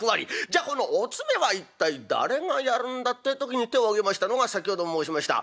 じゃこのお詰めは一体誰がやるんだって時に手を挙げましたのが先ほども申しました